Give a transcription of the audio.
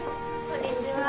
こんにちは。